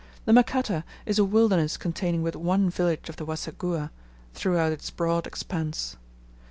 The Makata is a wilderness containing but one village of the Waseguhha throughout its broad expanse.